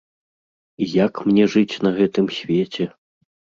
І як мне жыць на гэтым свеце?